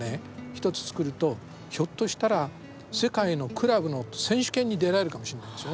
１つ作るとひょっとしたら世界のクラブの選手権に出られるかもしれないんですよね。